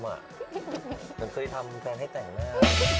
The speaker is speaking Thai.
เหมือนเคยทำแฟนให้แต่งหน้า